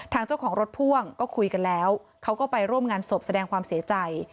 เจ้าของรถพ่วงก็คุยกันแล้วเขาก็ไปร่วมงานศพแสดงความเสียใจ